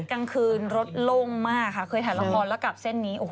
กลางคืนรถโล่งมากค่ะเคยถ่ายละครแล้วกลับเส้นนี้โอ้โห